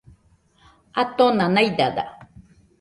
Atona naidada